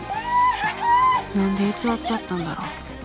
何で偽っちゃったんだろう。